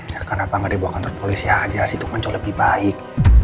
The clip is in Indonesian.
ya kenapa nggak dibawa ke kantor polisi aja sih itu kan jauh lebih baik